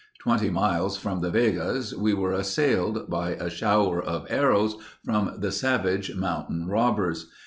Twenty miles from the Vegas we were assailed ... by a shower of arrows from the savage mountain robbers....